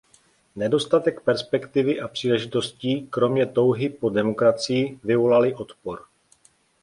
Nedostatek perspektivy a příležitostí, kromě touhy po demokracii, vyvolaly odpor.